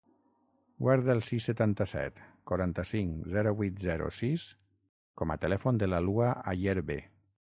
Guarda el sis, setanta-set, quaranta-cinc, zero, vuit, zero, sis com a telèfon de la Lua Ayerbe.